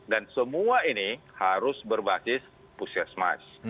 dan semua ini harus berbasis pusat semis